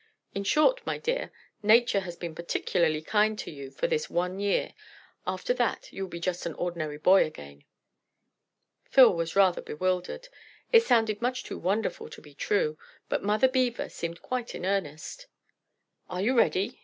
In short, my dear, Nature has been particularly kind to you for this one year; after that you'll be just an ordinary boy again." Phil was rather bewildered; it sounded much too wonderful to be true, but Mother Beaver, seemed quite in earnest. "Are you ready?"